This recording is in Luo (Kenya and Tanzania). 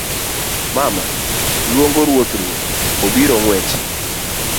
mama; luongo ruoth ruoth; obiro ng'wech